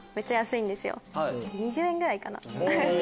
２０円ぐらいかな。